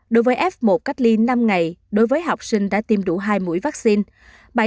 đối với f một cách ly năm ngày đối với học sinh đã tiêm đủ hai mũi vaccine